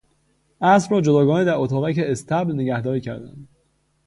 اسب را جداگانه در اتاقک اصطبل نگهداری کردند.